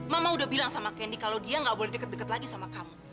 mama udah bilang sama kendi kalau dia nggak boleh deket deket lagi sama kamu